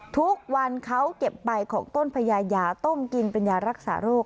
ทุกวันเขาเก็บใบของต้นพญายาต้มกินเป็นยารักษาโรค